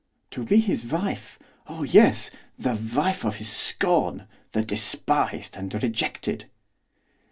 'To be his wife, oh yes! the wife of his scorn! the despised and rejected!